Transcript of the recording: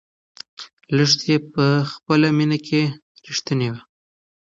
لښتې په خپله مینه کې رښتینې وه.